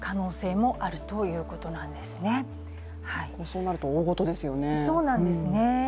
そうなると、大ごとですよね。